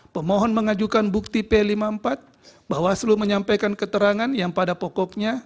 pemohon mengajukan bukti p lima puluh empat bawaslu menyampaikan keterangan yang pada pokoknya